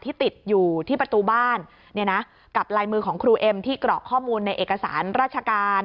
ติดอยู่ที่ประตูบ้านเนี่ยนะกับลายมือของครูเอ็มที่กรอกข้อมูลในเอกสารราชการ